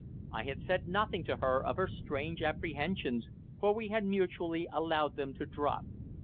I had said nothing to her of her strange apprehensions, for we had mutually allowed them to drop.